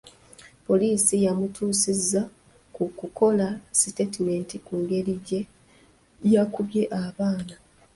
Poliisi yamutuusiza ku kukola siteetimenti ku ngeri ge yakubye abaana.